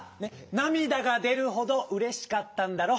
なみだがでるほどうれしかったんだろ？